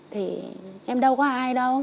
thì em đâu có ai đâu